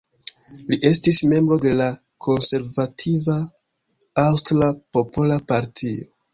Li estis membro de la konservativa Aŭstra Popola Partio.